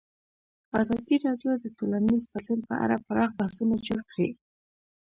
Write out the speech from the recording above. ازادي راډیو د ټولنیز بدلون په اړه پراخ بحثونه جوړ کړي.